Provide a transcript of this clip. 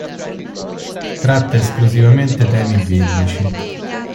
Tratta esclusivamente temi biblici.